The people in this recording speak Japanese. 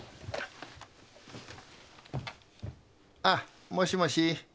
あっもしもし？